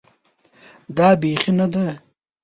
دا پخې نه ده